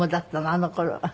あの頃は。